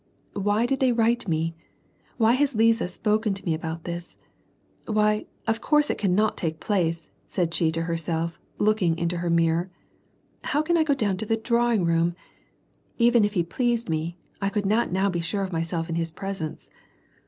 " Why did they write me ? Why has Liza spoken to me about this ? ^Vhy, of course it cannot take place !" she said to herself, looking into her mirror. " How can I go down to the drawing room ? Even if he pleased me, I could not now be sure of myself in his presence."